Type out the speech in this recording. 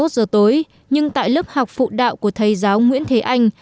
hai mươi một giờ tối nhưng tại lớp học phụ đạo của thầy giáo nguyễn thế anh